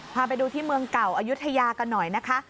พาไปดูที่เมืองเก่าอายุทยากันหน่อยนะคะ